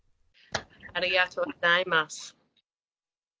ありがとうございます。